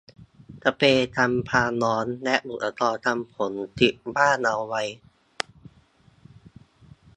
สเปรย์กันความร้อน และอุปกรณ์ทำผม ติดบ้านเอาไว้